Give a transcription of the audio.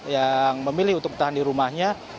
yang memilih untuk bertahan di rumahnya